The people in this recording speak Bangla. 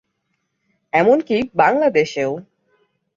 এমনকি বাংলাদেশেও।